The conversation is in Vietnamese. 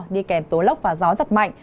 đi kèm tố lốc và gió rạc mạnh